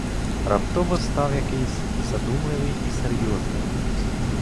Раптово став якийсь задумливий і серйозний.